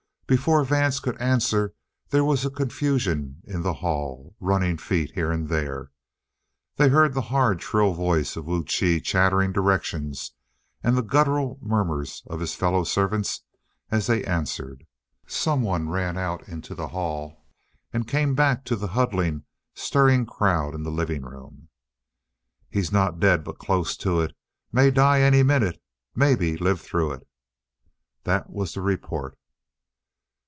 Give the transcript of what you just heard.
Before Vance could answer, there was a confusion in the hall, running feet here and there. They heard the hard, shrill voice of Wu Chi chattering directions and the guttural murmurs of his fellow servants as they answered. Someone ran out into the hall and came back to the huddling, stirring crowd in the living room. "He's not dead but close to it. Maybe die any minute maybe live through it!" That was the report.